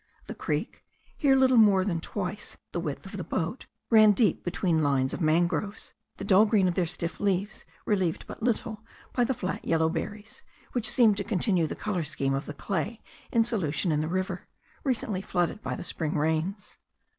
The creek, here little more than twice the width of the boat, ran deep between lines of mangroves, the dull green of their stiff leaves relieved but little by the flat yellow berries, which seemed to continue the colour scheme of the clay in solution in the river, recently flooded by the spring rains.